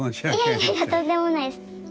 いやいやいやとんでもないです！